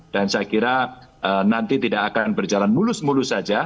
dan saya kira nanti tidak akan berjalan mulus mulus